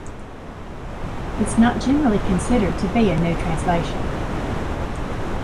It is not generally considered to be a new translation.